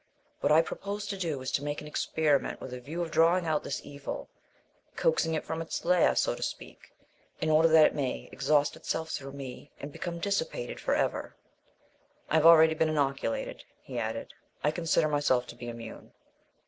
What I propose to do is to make an experiment with a view of drawing out this evil, coaxing it from its lair, so to speak, in order that it may exhaust itself through me and become dissipated for ever. I have already been inoculated," he added; "I consider myself to be immune."